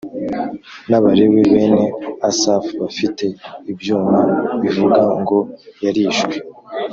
n Abalewi bene Asafu bafite ibyuma bivuga ngo yarishwe